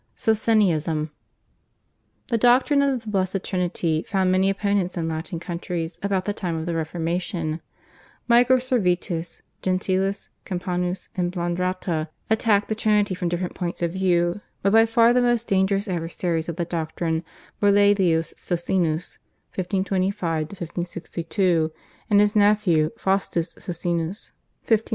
/Socinianism/. The doctrine of the Blessed Trinity found many opponents in Latin countries about the time of the Reformation. Michael Servetus, Gentilis, Campanus, and Blandrata, attacked the Trinity from different points of view, but by far the most dangerous adversaries of the doctrine were Laelius Socinus (1525 1562) and his nephew Faustus Socinus (1539 1604).